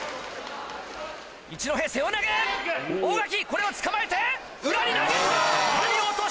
これをつかまえて裏に投げた！